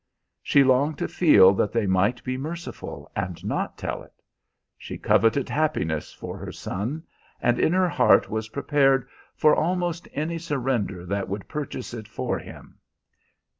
She longed to feel that they might be merciful and not tell it. She coveted happiness for her son, and in her heart was prepared for almost any surrender that would purchase it for him.